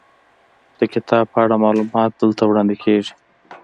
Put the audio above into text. د کتاب په اړه معلومات دلته وړاندې کیږي.